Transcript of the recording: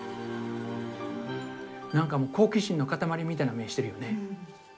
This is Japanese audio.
何かもう好奇心の塊みたいな目してるよね。